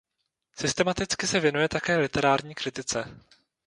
Systematicky se věnuje také literární kritice.